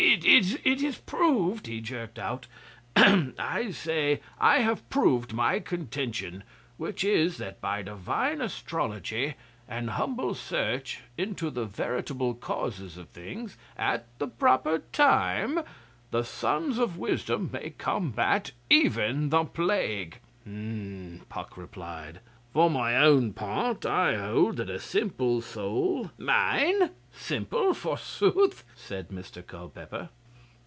'It is proved,' he jerked out. 'I say I have proved my contention, which is, that by Divine Astrology and humble search into the veritable causes of things at the proper time the sons of wisdom may combat even the plague.' H'm!' Puck replied. 'For my own part I hold that a simple soul ' 'Mine? Simple, forsooth?' said Mr Culpeper.